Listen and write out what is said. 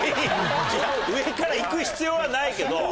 上からいく必要はないけど。